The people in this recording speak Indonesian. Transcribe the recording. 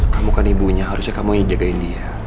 kamu kan ibunya harusnya kamu yang jagain dia